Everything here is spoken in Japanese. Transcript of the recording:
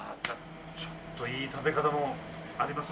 ちょっといい食べ方もありますので。